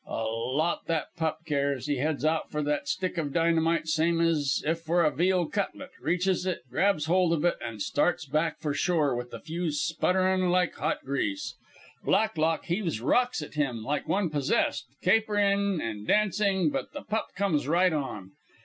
"A lot that pup cares. He heads out for that stick of dynamite same as if for a veal cutlet, reaches it, grabs hold of it, an' starts back for shore, with the fuse sputterin' like hot grease. Blacklock heaves rocks at him like one possessed, capering an' dancing; but the pup comes right on.